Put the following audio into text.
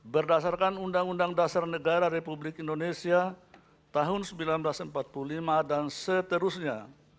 berdasarkan undang undang dasar negara republik indonesia tahun seribu sembilan ratus empat puluh lima dan seterusnya